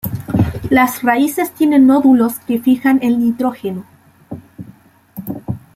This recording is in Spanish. Las raíces tienen nódulos que fijan el nitrógeno.